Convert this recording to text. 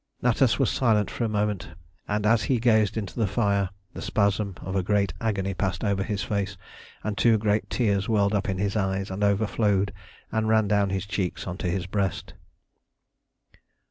Natas was silent for a moment, and as he gazed into the fire the spasm of a great agony passed over his face, and two great tears welled up in his eyes and overflowed and ran down his cheeks on to his breast.